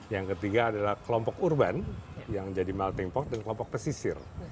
yang ketiga adalah kelompok urban yang jadi melting pock dan kelompok pesisir